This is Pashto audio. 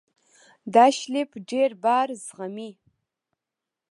دا شیلف ډېر بار زغمي.